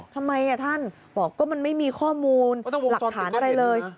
ทำไมท่านบอกก็มันไม่มีข้อมูลหลักฐานอะไรเลย